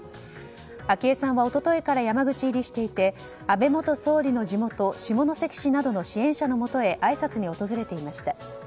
昭恵さんは一昨日から山口入りしていて安倍元総理の地元下関市などの支援者のもとへあいさつに訪れていました。